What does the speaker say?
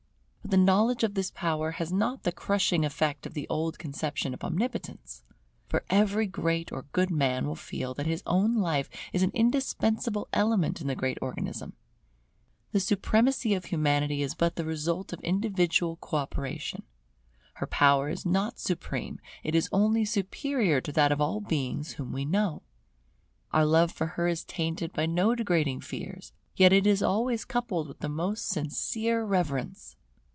But the knowledge of this power has not the crushing effect of the old conception of omnipotence. For every great or good man will feel that his own life is an indispensable element in the great organism. The supremacy of Humanity is but the result of individual co operation; her power is not supreme, it is only superior to that of all beings whom we know. Our love for her is tainted by no degrading fears, yet it is always coupled with the most sincere reverence.